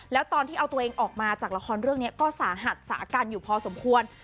แล้วตอนที่เอาตัวเองออกมาจากละครเรื่องนี้ก็สาหัสสากันอยู่พอสมควร